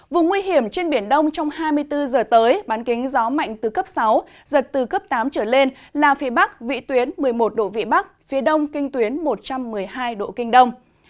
vùng nguy hiểm trên biển đông trong hai mươi bốn h tới bán kính gió mạnh từ cấp sáu giật từ cấp tám trở lên là phía bắc vị tuyến một mươi một độ vị bắc phía đông kinh tuyến một trăm một mươi hai độ kinh đông